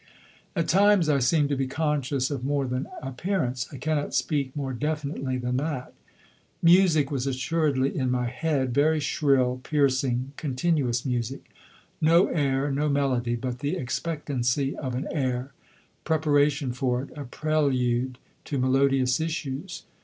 At times I seemed to be conscious of more than appearance. I cannot speak more definitely than that. Music was assuredly in my head, very shrill, piercing, continuous music. No air, no melody, but the expectancy of an air, preparation for it, a prelude to melodious issues.